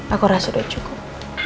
aku rasa udah cukup